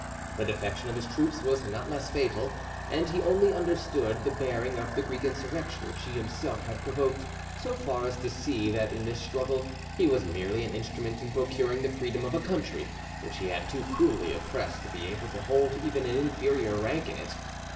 The defection of his troops was not less fatal, and he only understood the bearing of the Greek insurrection which he himself had provoked, so far as to see that in this struggle he was merely an instrument in procuring the freedom of a country which he had too cruelly oppressed to be able to hold even an inferior rank in it.